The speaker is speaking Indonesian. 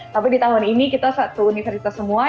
tapi di tahun ini kita satu universitas semua